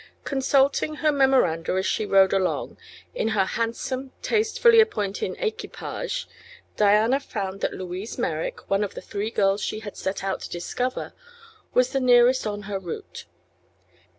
Consulting her memoranda as she rode along; in her handsome, tastefully appointed equipage, Diana found that Louise Merrick, one of the three girls she had set out to discover, was the nearest on her route.